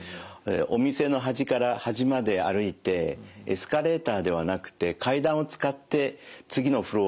お店の端から端まで歩いてエスカレーターではなくて階段を使って次のフロアに上がります。